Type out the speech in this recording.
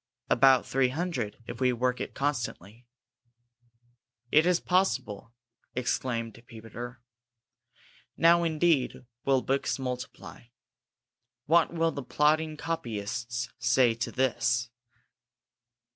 "About three hundred, if we work it constantly." "Is it possible!" exclaimed Peter. "Now indeed will books multiply. What will the plodding copyists say to this?"